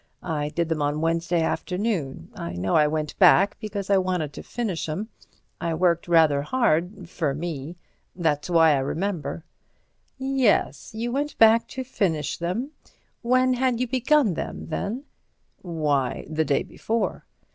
I did them on Wednesday afternoon. I know I went back because I wanted to finish 'em. I worked rather hard—for me. That's why I remember." "Yes; you went back to finish them. When had you begun them, then?" "Why, the day before."